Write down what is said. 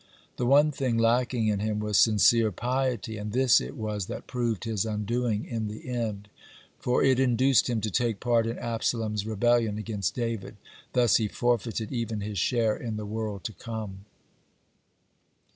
(63) The one thing lacking in him was sincere piety, (64) and this it was that proved his undoing in the end, for it induced him to take part in Absalom's rebellion against David. Thus he forfeited even his share in the world to come.